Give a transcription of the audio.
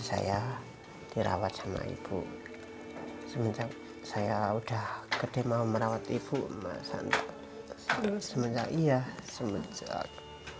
saya dirawat sama ibu semenjak saya udah gede mau merawat ibu mas hanta semenjak iya semenjak